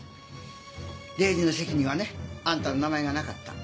礼司の籍にはねあんたの名前がなかった。